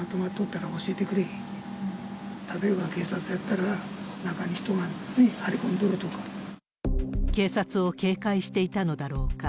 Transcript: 例えば、警察やったら、中に人がいて、警察を警戒していたのだろうか。